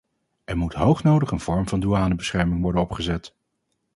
Er moet hoognodig een vorm van douanebescherming worden opgezet.